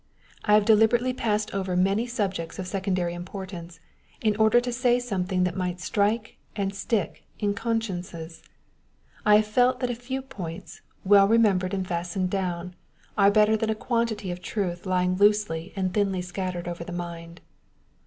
I have de liberately passed over many subjects of secondary importance, in order to say something that might strike and stick in consciences. I have felt that a few points, well remembered and fastened down, are better than a PBEFACB. f quantity of truth lying loosely and tliinly scattered over the mind.